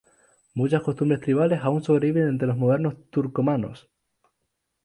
Muchas costumbres tribales aún sobreviven entre los modernos turcomanos.